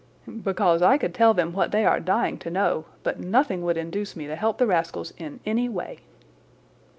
"Because I could tell them what they are dying to know; but nothing would induce me to help the rascals in any way."